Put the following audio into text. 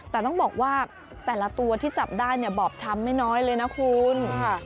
แต่ต้องบอกว่าแต่ละตัวที่จับได้เนี่ยบอบช้ำไม่น้อยเลยนะคุณ